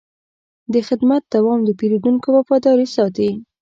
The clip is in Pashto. د خدمت دوام د پیرودونکو وفاداري ساتي.